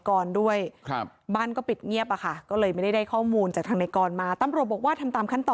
เขาก็ซื้อขนมขนมให้กิน